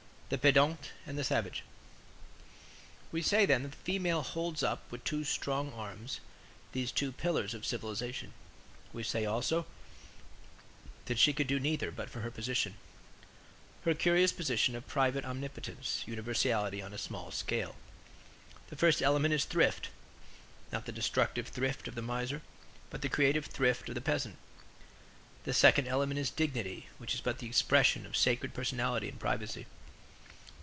THE PEDANT AND THE SAVAGE We say then that the female holds up with two strong arms these two pillars of civilization; we say also that she could do neither, but for her position; her curious position of private omnipotence, universality on a small scale. The first element is thrift; not the destructive thrift of the miser, but the creative thrift of the peasant; the second element is dignity, which is but the expression of sacred personality and privacy.